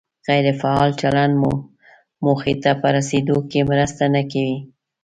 غیر فعال چلند مو موخې ته په رسېدو کې مرسته نه کوي.